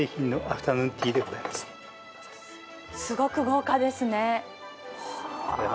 すごく豪華ですね。